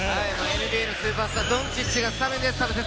ＮＢＡのスーパースター、ドンチッチがスタメンですね。